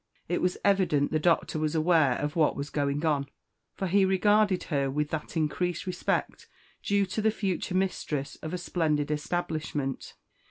It was evident the Doctor was aware of what was going on, for he regarded her with that increased respect due to the future mistress of a splendid establishment.